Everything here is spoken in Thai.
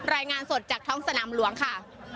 รายงานสดจากท้องสนามหลวงค่ะ